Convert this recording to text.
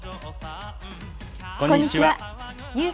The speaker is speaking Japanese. こんにちは。